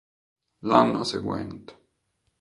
L'anno seguente.